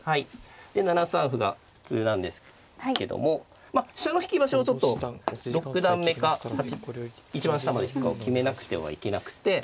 で７三歩が普通なんですけども飛車の引き場所をちょっと六段目か一番下まで引くかを決めなくてはいけなくて。